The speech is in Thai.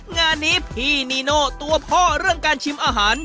งานนี้พี่นีโน่ตัวพ่อเรื่องการชิมอาหาร